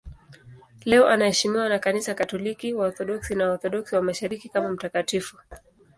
Leo anaheshimiwa na Kanisa Katoliki, Waorthodoksi na Waorthodoksi wa Mashariki kama mtakatifu.